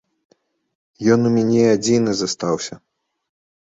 Ён у мяне адзіны застаўся.